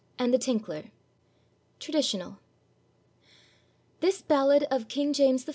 AND THE TINKLER. {72a} (TRADITIONAL.) [THIS ballad of _King James I.